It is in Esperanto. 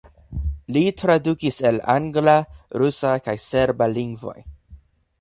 Li tradukis el angla, rusa kaj serba lingvoj.